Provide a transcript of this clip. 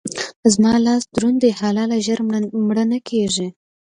زما لاس دروند دی؛ حلاله ژر مړه نه کېږي.